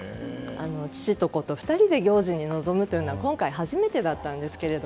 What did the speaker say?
父と子と２人で行事に臨むというのは今回、初めてだったんですが